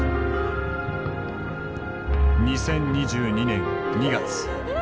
２０２２年２月。